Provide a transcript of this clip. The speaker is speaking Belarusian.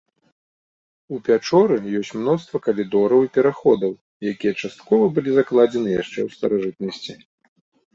У пячоры ёсць мноства калідораў і пераходаў, якія часткова былі закладзены яшчэ ў старажытнасці.